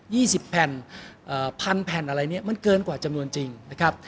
ี่สิบแผ่นเอ่อพันแผ่นอะไรเนี้ยมันเกินกว่าจำนวนจริงนะครับ